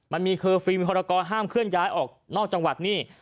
มันมีคือฟิล์มฮรกรห้ามเคลื่อนย้ายออกนอกจังหวัดนี่